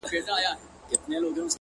زلفـي را تاوي کړي پــر خپلـو اوږو ـ